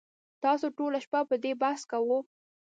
تاسو ټوله شپه په دې بحث کاوه